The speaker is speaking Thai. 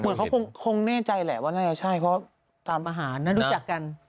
เหมือนเขาคงแน่ใจแหละว่าน่าจะใช่เพราะตามอาหารนะรู้จักกัน